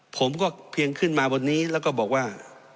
ผมก็เพียงขึ้นมาบนนี้แล้วก็บอกว่า